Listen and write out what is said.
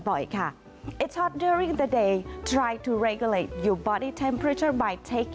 มันแข็งใจในวันนี้พยายามรักษาอุณหภูมิของร่างกายด้วยการจิบน้ำบ่อย